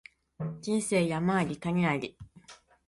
人生山あり谷あり